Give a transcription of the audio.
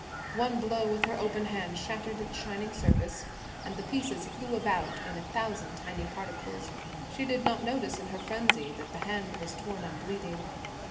One blow with her open hand shattered its shining surface and the pieces flew about in a thousand tiny particles; she did not notice in her frenzy that the hand was torn and bleeding.